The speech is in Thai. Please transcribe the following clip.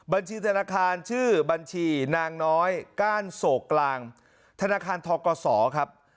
บัญชีธนาคารชื่อบัญชีนางน้อยก้านโศกกลางธนาคารทกศครับ